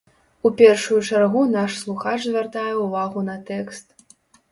У першую чаргу наш слухач звяртае ўвагу на тэкст.